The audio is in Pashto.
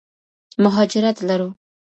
مهاجرت لرو.